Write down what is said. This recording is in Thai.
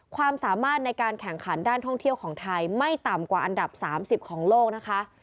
ความสามารถในการแข่งขันด้านท่องเที่ยวของไทยไม่ต่ำกว่าอันดับ๓๐ของโลกนะคะ